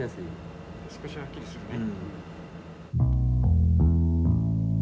少しはっきりするね。